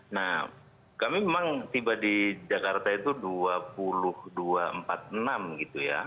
nah kami memang tiba di jakarta itu dua puluh dua empat puluh enam gitu ya